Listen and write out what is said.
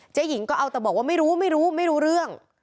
หญิงก็เอาแต่บอกว่าไม่รู้ไม่รู้เรื่อง